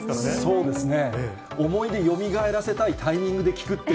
そうですね。